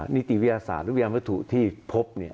นิติวิทยาศาสตร์หรือยามวัตถุที่พบ